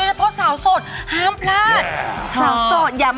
แอร์โหลดแล้วคุณล่ะโหลดแล้ว